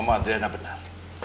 mama adriana benar